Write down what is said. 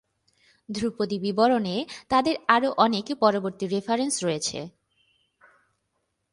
ধ্রুপদী বিবরণে তাদের আরও অনেক পরবর্তী রেফারেন্স রয়েছে।